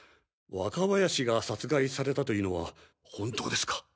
若林が殺害されたというのは本当ですか？